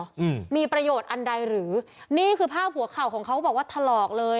อืมมีประโยชน์อันใดหรือนี่คือภาพหัวเข่าของเขาบอกว่าถลอกเลย